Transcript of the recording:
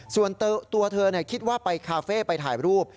ส่วนตัวเธอคิดว่าไปคาเฟ่ไปถ่ายรูป